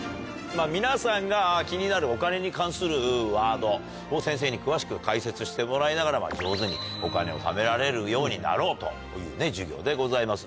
皆さんが気になるお金に関するワードを先生に詳しく解説してもらいながら上手にお金を貯められるようになろうという授業でございます。